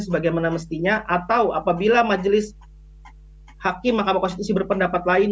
sebagaimana mestinya atau apabila majelis hakim mahkamah konstitusi berpendapat lain